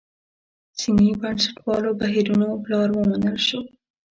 سني بنسټپالو بهیرونو پلار ومنل شو.